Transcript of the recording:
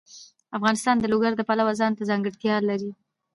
افغانستان د لوگر د پلوه ځانته ځانګړتیا لري.